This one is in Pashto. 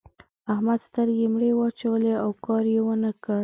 احمد سترګې مړې واچولې؛ او کار يې و نه کړ.